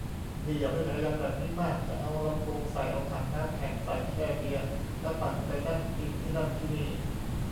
นี่อยากได้จักรยานแบบนี้มาก จะเอาลำโพงใส่ เอาถังน้ำแข็งใส่ แช่เบียร์ แล้วปั่นไปนั่งกินที่นั่นที่นี่